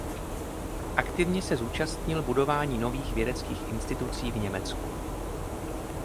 Aktivně se zúčastnil budování nových vědeckých institucí v Německu.